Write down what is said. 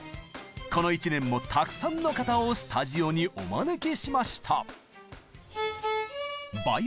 この１年もたくさんの方をスタジオにお招きしました。